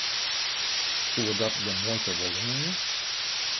Soe dat de muoite wol leanje?